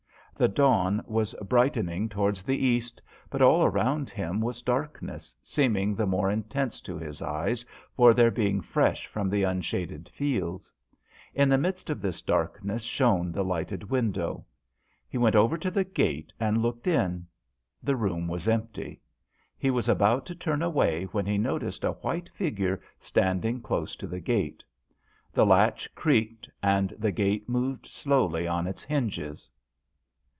The dawn was brightening to JOHN SHERMAN. 169 wards the east, but all round him was darkness, seeming the more intense to his eyes for their being fresh from the unshaded fields. In the midst of this darkness shone the lighted window. He went over to the gate and looked in. The room was empty. He was about to turn away when he noticed a white figure standing close to the gate. The latch creaked and the gate moved slowly on its hinges.